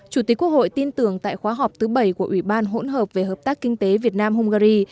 chủ tịch quốc hội tin tưởng tại khóa họp thứ bảy của ủy ban hỗn hợp về hợp tác kinh tế việt nam hungary